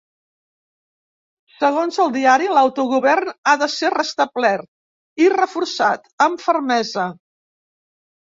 Segons el diari, l’autogovern ha de ser ‘restablert i reforçat’ amb fermesa.